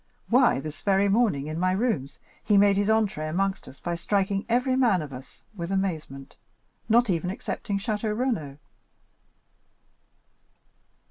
Why, this very morning, in my rooms, he made his entrée amongst us by striking every man of us with amazement, not even excepting Château Renaud."